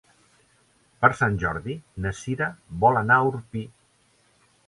Per Sant Jordi na Cira vol anar a Orpí.